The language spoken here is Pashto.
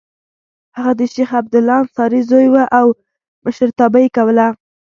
هغه د شیخ عبدالله انصاري زوی و او مشرتابه یې کوله.